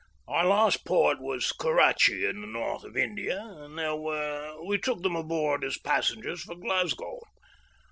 Our last port was Kurrachee, in the north of India, and there we took them aboard as passengers for Glasgow.